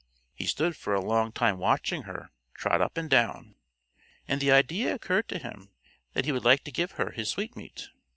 He stood for a long time watching her trot up and down, and the idea occurred to him that he would like to give her his sweetmeat.